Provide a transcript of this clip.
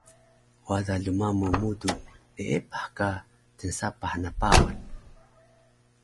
Wada lmamu mudu neepah ka tnsapah na Pawan